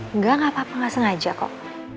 enggak gak apa apa gak sengaja kok